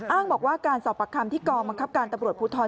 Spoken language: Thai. อ้างบอกว่าการสอบปากคำที่กองบังคับการตำรวจภูทร